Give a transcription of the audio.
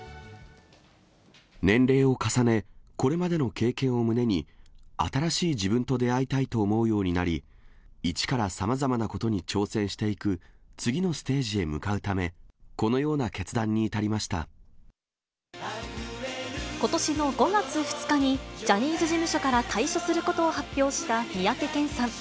年齢を重ね、これまでの経験を胸に、新しい自分と出会いたいと思うようになり、一からさまざまなことに挑戦していく次のステージへ向かうため、ことしの５月２日に、ジャニーズ事務所から退所することを発表した三宅健さん。